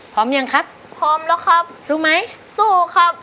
พร้อมยังครับพร้อมแล้วครับสู้ไหมสู้ครับ